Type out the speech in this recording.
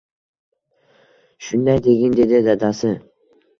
Shunday degin… – dedi dadasi.